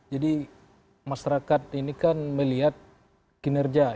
jadi masyarakat ini kan melihat kinerja